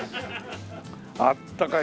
あったかい。